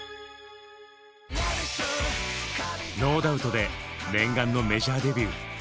「ノーダウト」で念願のメジャーデビュー。